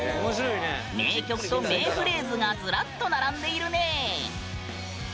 名曲と名フレーズがズラッと並んでいるね！